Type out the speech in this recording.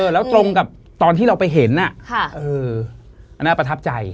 แล้วตรงกับตอนที่เราไปเห็นอันน่าประทับใจ